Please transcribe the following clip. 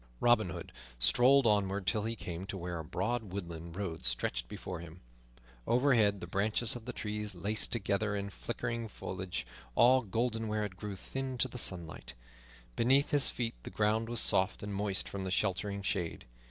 Robin Hood strolled onward till he came to where a broad woodland road stretched before him. Overhead the branches of the trees laced together in flickering foliage, all golden where it grew thin to the sunlight; beneath his feet the ground was soft and moist from the sheltering shade.